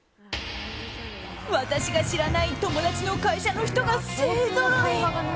私が知らない友達の会社の人が勢ぞろい。